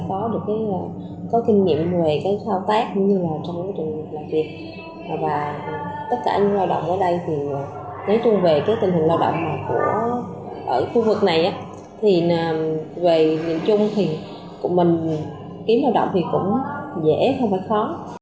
thì về nhận chung thì mình kiếm lao động cũng dễ không phải khó